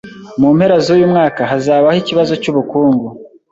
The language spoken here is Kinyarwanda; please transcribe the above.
Mu mpera zuyu mwaka hazabaho ikibazo cyubukungu.